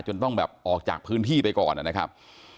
ต้องแบบออกจากพื้นที่ไปก่อนนะครับ